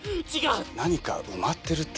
何か埋まってるって。